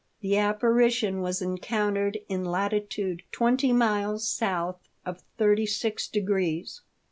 The apparition was encountered in latitude twenty miles south of thirty six degrees.